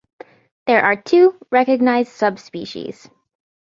There are two recognized subspecies.